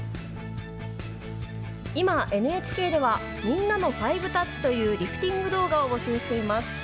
今ＮＨＫではみんなの５タッチというリフティング動画を募集しています。